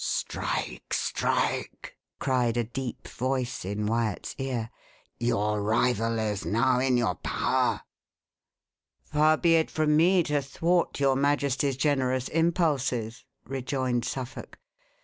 "Strike! strike!" cried a deep voice in Wyat's ear; "your rival is now in your power." "Far be it from me to thwart your majesty's generous impulses," rejoined Suffolk.